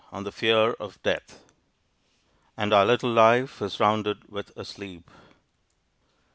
ON THE FEAR OF DEATH And our little life is rounded with a sleep.